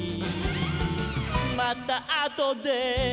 「またあとで」